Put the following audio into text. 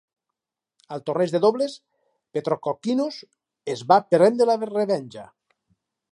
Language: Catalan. Al torneig de dobles, Petrokokkinos es va prendre la revenja.